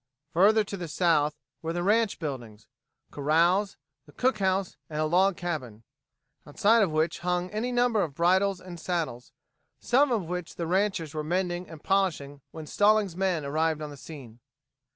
Further to the south were the ranch buildings, corrals, the cook house and a log cabin, outside of which hung any number of bridles and saddles, some of which the ranchers were mending and polishing when Stalling's men arrived on the scene.